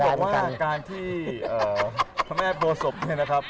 เห็นบอกว่าการที่พระแม่โดสบนะครับ